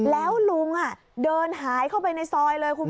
แล้วลุงเดินหายเข้าไปในซอยเลยคุณผู้ชม